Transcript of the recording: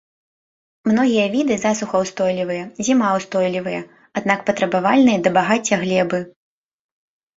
Многія віды засухаўстойлівыя, зімаўстойлівыя, аднак патрабавальныя да багацця глебы.